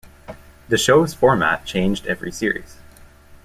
The show's format changed every series.